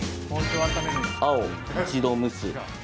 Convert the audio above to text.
青・一度蒸す。